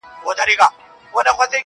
• زما دردونه د دردونو ښوونځی غواړي_